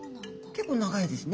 結構長いですね。